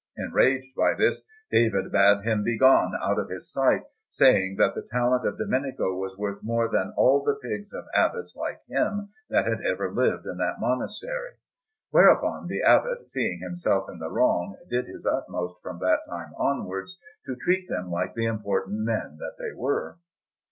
Enraged by this, David bade him be gone out of his sight, saying that the talent of Domenico was worth more than all the pigs of Abbots like him that had ever lived in that monastery. Whereupon the Abbot, seeing himself in the wrong, did his utmost from that time onwards to treat them like the important men that they were.